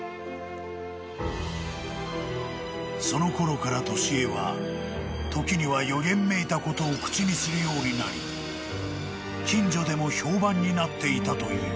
［そのころから年恵はときには予言めいたことを口にするようになり近所でも評判になっていたという］